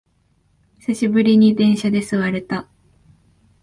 久しぶりに電車で座れた